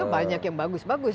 banyak yang bagus bagus